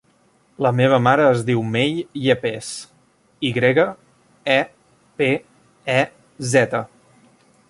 La meva mare es diu Mei Yepez: i grega, e, pe, e, zeta.